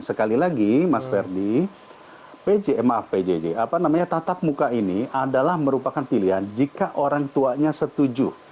sekali lagi mas verdi pjg maaf pjg apa namanya tatap muka ini adalah merupakan pilihan jika orang tuanya setuju